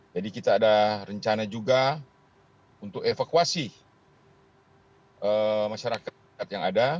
jadi kita ada rencana juga untuk evakuasi masyarakat yang ada